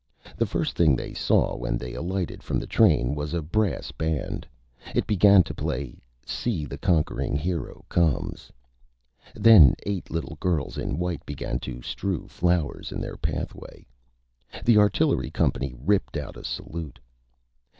The first Thing they saw when they alighted from the Train was a Brass Band. It began to play, "See the Conquering Hero Comes." Then eight Little Girls in White began to strew Flowers in their Pathway. The Artillery company ripped out a Salute.